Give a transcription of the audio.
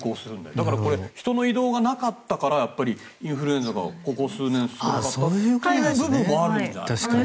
だからこれ人の移動がなかったからインフルエンザがここ数年少なかったという部分もあるんじゃないかな。